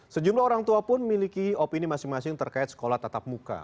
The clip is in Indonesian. sejumlah orang tua pun miliki opini masing masing terkait sekolah tatap muka